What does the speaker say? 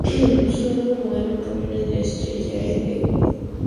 Su nombre moderno proviene de "estrella" en griego.